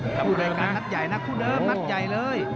คู่รายการนัดใหญ่นะคู่เดิมนัดใหญ่เลย